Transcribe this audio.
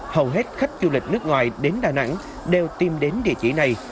hầu hết khách du lịch nước ngoài đến đà nẵng đều tìm đến địa chỉ này